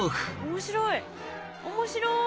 面白い。